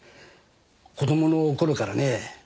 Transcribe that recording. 子供の頃からね。